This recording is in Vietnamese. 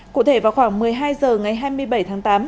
cụ thể vào khoảng một mươi hai h ngày hai mươi bảy tháng tám